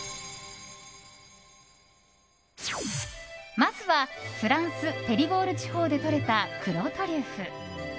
まずはフランスペリゴール地方でとれた黒トリュフ。